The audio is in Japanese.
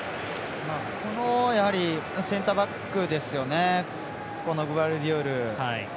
センターバックですよねグバルディオル。